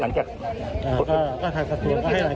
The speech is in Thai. หลังจากที่พิเศษจำเนินการอย่างไรต่อหรือว่าหลังจาก